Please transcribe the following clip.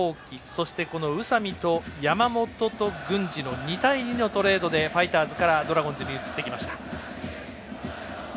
そして、宇佐見と山本と郡司の２対２のトレードでファイターズからドラゴンズへ移ってきました。